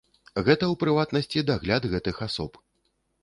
Гэта ў прыватнасці дагляд гэтых асоб.